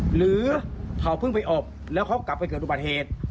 หรือเขาเพิ่งไปอบแล้วเขากลับไปเกิดอุบัติเหตุ